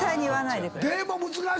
でも難しいな。